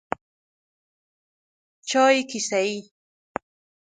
چای کیسه ای